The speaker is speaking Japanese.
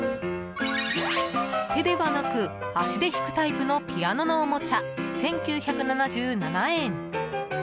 手ではなく足で弾くタイプのピアノのおもちゃ、１９７７円。